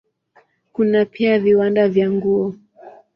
Kuna pia viwanda vya nguo.